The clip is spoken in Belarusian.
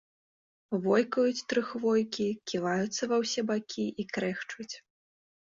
Войкаюць тры хвойкі, ківаюцца ва ўсе бакі і крэхчуць.